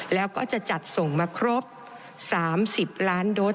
แล้วก็จะจัดส่งมาครบ๓๐ล้านโดส